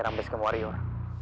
sampai sikap warior